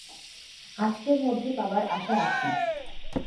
আজকের মধ্যে পাবার আশা রাখি।